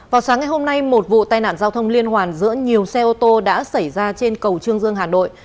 vào sáng ngày hôm nay một vụ tai nạn giao thông liên hoàn giữa nhiều xe ô tô đã xảy ra trên cầu trương dương hà nội